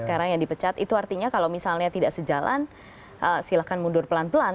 sekarang yang dipecat itu artinya kalau misalnya tidak sejalan silahkan mundur pelan pelan